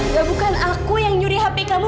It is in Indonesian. ya bukan aku yang nyuri handphone kamu